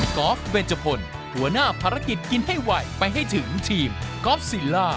อล์ฟเวชพลหัวหน้าภารกิจกินให้ไวไปให้ถึงทีมกอล์ฟซิลล่า